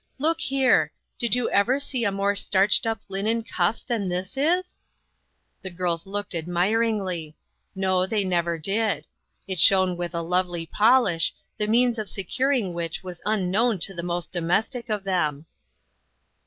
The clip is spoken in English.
Look here ! Did you ever see a more starched up linen cuff than this is?" The girls looked admiringly. No ; they never did. It shone with a lovely polish, Il8 INTERRUPTED. the means of securing which was unknown to the most domestic of them.